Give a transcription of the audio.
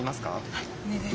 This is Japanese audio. はい。